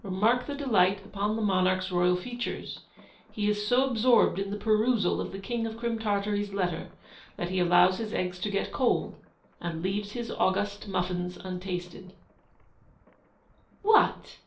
Remark the delight upon the monarch's royal features. He is so absorbed in the perusal of the King of Crim Tartary's letter, that he allows his eggs to get cold, and leaves his august muffins untasted. 'What!